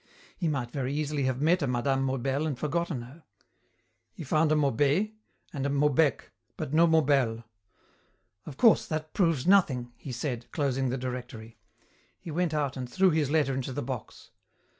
He might very easily have met a Mme. Maubel and forgotten her. He found a Maubé and a Maubec, but no Maubel. "Of course, that proves nothing," he said, closing the directory. He went out and threw his letter into the box.